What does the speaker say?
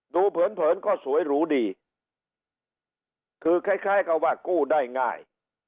เผินเผินก็สวยหรูดีคือคล้ายคล้ายกับว่ากู้ได้ง่าย